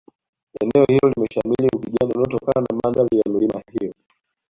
eneo hilo limeshamiri ukijani unaotokana na mandhari ya milima hiyo